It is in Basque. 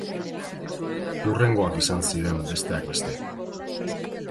Hurrengoak izan ziren, besteak beste.